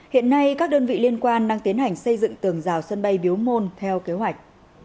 hiện nay các đơn vị liên quan đang tiến hành xây dựng tường rào sân bay biếu môn theo kế hoạch